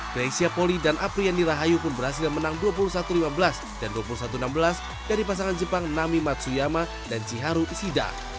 greysia poli dan apriani rahayu pun berhasil menang dua puluh satu lima belas dan dua puluh satu enam belas dari pasangan jepang nami matsuyama dan ciharu ishida